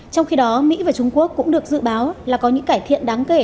trong khi đó mỹ và trung quốc cũng được dự báo là có những cải thiện đáng kể